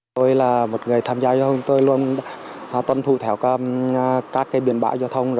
tôi là một người tham gia giao thông tôi luôn tân thu theo các biển bão giao thông